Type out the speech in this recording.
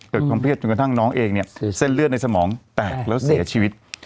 ความเครียดจนกระทั่งน้องเองเนี่ยเส้นเลือดในสมองแตกแล้วเสียชีวิต